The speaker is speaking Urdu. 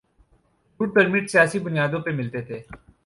روٹ پرمٹ سیاسی بنیادوں پہ ملتے تھے۔